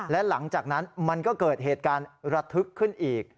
และหลังจากนั้นมันก็เกิดเหตุการณ์ระทึกขึ้นอีก